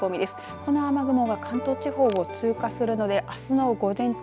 この雨雲が関東地方を通過するのであすの午前中